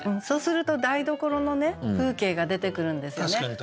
そうすると台所の風景が出てくるんですよね。